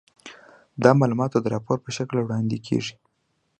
دا معلومات د راپور په شکل وړاندې کیږي.